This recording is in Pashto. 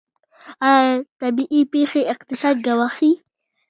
آیا طبیعي پیښې اقتصاد ګواښي؟